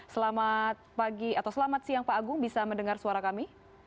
selamat pagi atau selamat siang pak agung bisa mendengar suara kami